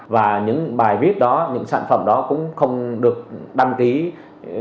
và những bài viết đó những sản phẩm đó cũng không được đảm bảo